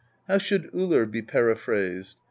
"How should Ullr be periphrased?